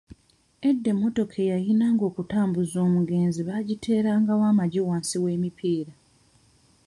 Edda emmotoka eyayinanga okutambuza omugenzi baagiterangayo amagi wansi w'emipiira.